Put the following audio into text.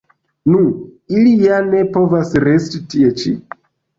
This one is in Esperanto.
Nu, ili ja ne povas resti tie ĉi?